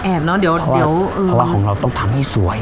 แอบเนอะเดี๋ยวเดี๋ยวเออเพราะว่าของเราต้องทำให้สวย